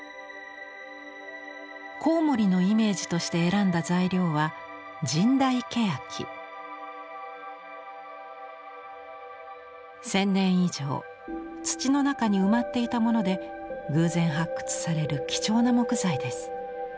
コウモリのイメージとして選んだ材料は１，０００年以上土の中に埋まっていたもので偶然発掘される貴重な木材です。